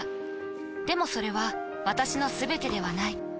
でもそれは私のすべてではない。